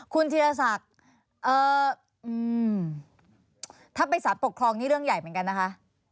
คุณธีรศักดิ์ถ้าไปสารปกครองนี่เรื่องใหญ่เหมือนกันนะคะ